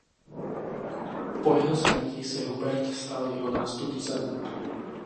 Po jeho smrti se Hubert stal jeho nástupcem.